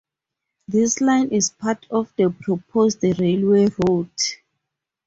This line is part of the proposed railway route.